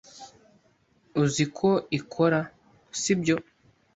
Uzi uko ikora, sibyo?